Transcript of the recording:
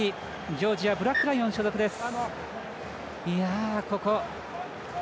ジョージアブラックライオン所属です。